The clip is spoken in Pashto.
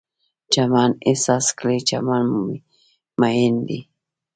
چمن احساس کړئ، چمن میین دی